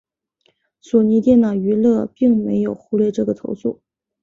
索尼电脑娱乐并没有忽略这个投诉。